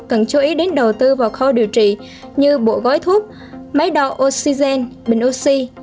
cần chú ý đến đầu tư vào khâu điều trị như bộ gói thuốc máy đo oxigen bình oxy